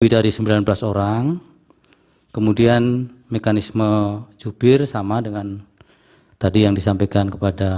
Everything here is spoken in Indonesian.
lebih dari sembilan belas orang kemudian mekanisme jubir sama dengan tadi yang disampaikan kepada